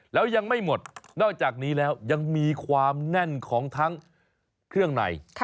แล้วยังไม่หมดนอกจากนี้แล้วยังมีความแน่นของทั้งเครื่องใน